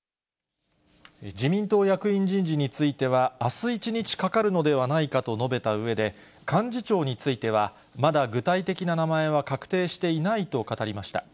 自民党役員人事については、あす１日かかるのではないかと述べたうえで、幹事長については、まだ具体的な名前は確定していないと語りました。